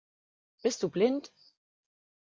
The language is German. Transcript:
Bist du blind?